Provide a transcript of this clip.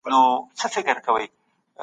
خپل ځان له لمر څخه وساتئ.